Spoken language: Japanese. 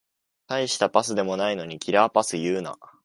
たいしたパスでもないのにキラーパス言うな